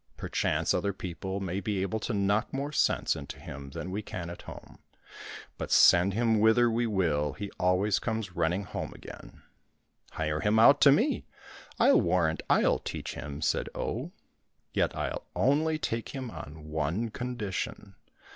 Perchance other people may be able to knock more sense into him than we can at home ; but send him whither we will, he always comes running home again !"—" Hire him out to me. I'll warrant I'll teach him," said Oh. " Yet I'll only take him on one condition.